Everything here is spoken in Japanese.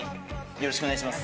よろしくお願いします。